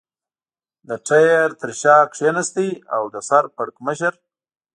د ټایر تر شا کېناست او د سر پړکمشر.